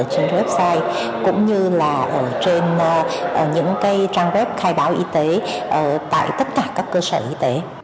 trên website cũng như là ở trên những trang web khai báo y tế tại tất cả các cơ sở y tế